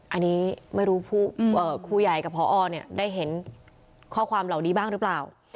อันนี้ไม่รู้ครูใหญ่กับพอได้เห็นข้อความเหล่านี้บ้างหรือเปล่า